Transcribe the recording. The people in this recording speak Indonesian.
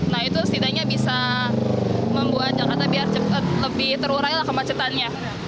nah itu setidaknya bisa membuat jakarta biar lebih terurai lah kemacetannya